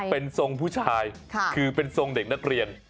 เป็นทรงผู้ชายคือเป็นทรงเด็กนักเรียน